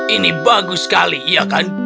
ini bagus sekali iya kan